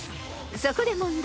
［そこで問題］